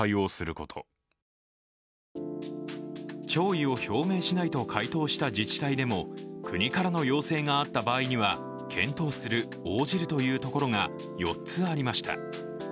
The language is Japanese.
弔意を表明しないと回答した自治体でも国からの要請があった場合には検討する、応じるというところが４つありました。